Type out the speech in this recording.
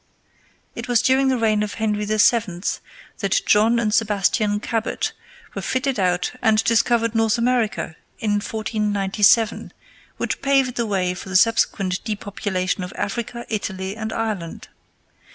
It was during the reign of Henry VII. that John and Sebastian Cabot were fitted out and discovered North America in 1497, which paved the way for the subsequent depopulation of Africa, Italy, and Ireland.